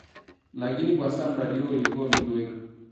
lakini kwa sasa mradi huo ulikuwa umetoweka